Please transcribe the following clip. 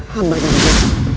hamba yang jatuh